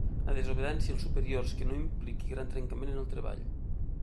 La desobediència als superiors que no impliqui gran trencament en el treball.